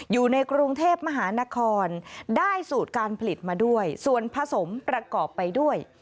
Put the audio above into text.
อยู่ในกรุงเทพมหานครได้สูตรการผลิตมาด้วยส่วนผสมประกอบไปด้วย